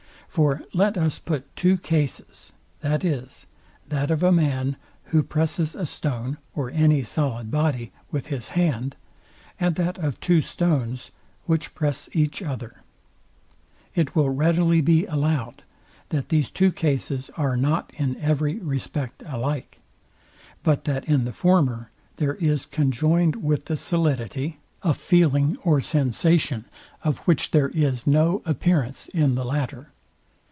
For let us put two cases, viz. that of a man, who presses a stone, or any solid body, with his hand, and that of two stones, which press each other; it will readily be allowed, that these two cases are not in every respect alike, but that in the former there is conjoined with the solidity, a feeling or sensation, of which there is no appearance in the latter.